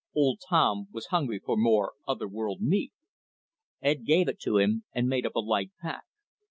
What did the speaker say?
Old Tom was hungry for more otherworld meat. Ed gave it to him and made up a light pack.